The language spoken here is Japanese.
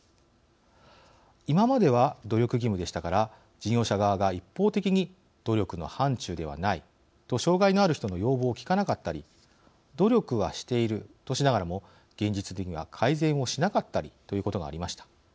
今までは努力義務でしたが事業者側が一方的に努力の範ちゅうではないと障害のある人の要望を聞かなかったり努力はしているとしながらも現実的には改善をしなかったりということがありました。